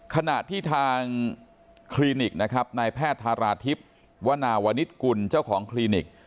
ขณะที่ทางคลินิกนะครับนายแพทย์ทาราทิพย์วนาวนิดกุลเจ้าของคลินิก